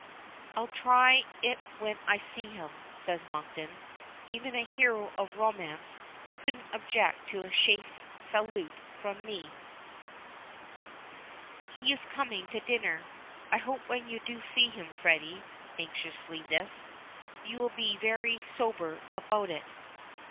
"I'll try it when I see him," says Monkton. "Even a hero of romance couldn't object to a chaste salute from me." "He is coming to dinner. I hope when you do see him. Freddy," anxiously this "you will be very sober about it."